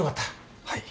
はい。